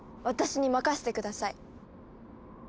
私に任せて下さい！